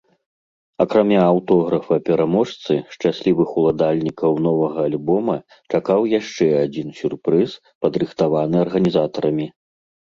Акрамя аўтографа пераможцы шчаслівых уладальнікаў новага альбома чакаў яшчэ адзін сюрпрыз, падрыхтаваны арганізатарамі.